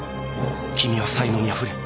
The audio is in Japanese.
君は才能にあふれ